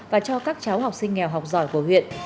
và cho các cháu học sinh nghèo học giỏi của huyện